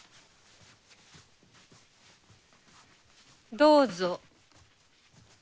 どうぞ。